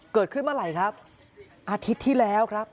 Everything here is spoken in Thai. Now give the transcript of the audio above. เกิดขึ้นเมื่อไหร่ครับอาทิตย์ที่แล้วครับ